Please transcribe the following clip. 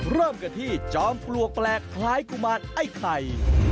เริ่มกันที่จอมปลวกแปลกคล้ายกุมารไอ้ไข่